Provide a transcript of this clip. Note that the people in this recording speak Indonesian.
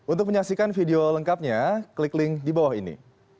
untuk menyaksikan video lengkapnya klik link di bawah ini